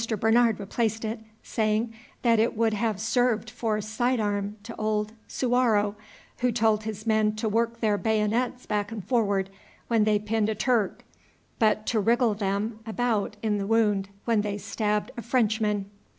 Bernard replaced it, saying, that it would have served for sidearm to old Suwarrow, who told his men to work their bayonets back and forward when they pinned a Turk, but to wriggle them about in the wound when they stabbed a Frenchman.